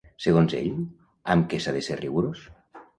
Segons ell, amb què s'ha de ser rigorós?